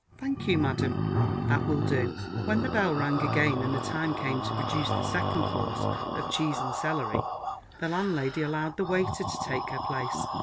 "Thank you, ma'am; that will do." When the bell rang again, and the time came to produce the second course of cheese and celery, the landlady allowed the waiter to take her place.